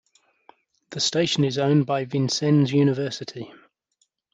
The station is owned by Vincennes University.